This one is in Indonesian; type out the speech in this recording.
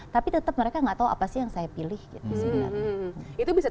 tapi tetap mereka nggak tahu apa sih yang saya pilih gitu sebenarnya